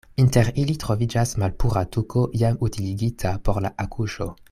Inter ili troviĝis malpura tuko jam utiligita por la akuŝo.